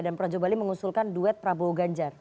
dan projo bali mengusulkan duet prabowo ganjar